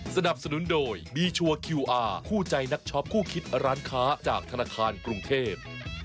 สนับสนุนโดยบีชัวร์คิวอาร์คู่ใจนักช็อปคู่คิดร้านค้าจากธนาคารกรุงเทพ